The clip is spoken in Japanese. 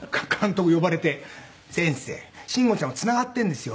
「先生慎吾ちゃんはつながっているんですよ」